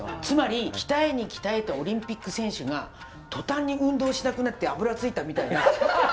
つまり鍛えに鍛えたオリンピック選手が途端に運動しなくなって脂ついたみたいな！